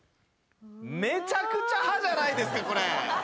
めちゃくちゃ歯じゃないですか。